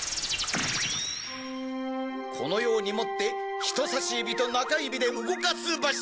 このように持って人さし指と中指で動かすバシ。